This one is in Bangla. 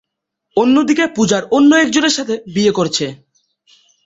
অন্যদিকে পূজার অন্য একজনের সাথে বিয়ে করছে।